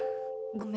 ごめん。